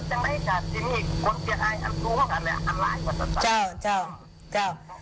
มันจะเสียชีวิตหรือศูนย์หายอยู่ข้างจุดใดนั้นจะเป็นต่อขวดหาอยู่ต่อ